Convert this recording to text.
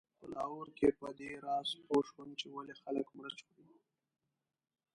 په لاهور کې په دې راز پوی شوم چې ولې خلک مرچ خوري.